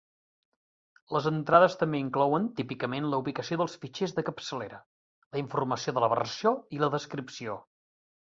Les entrades també inclouen típicament la ubicació dels fitxers de capçalera, la informació de la versió i la descripció.